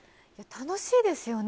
楽しいですよね。